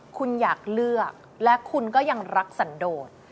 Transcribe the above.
คุณอยากเลือกและคุณก็ยังรักสันโดด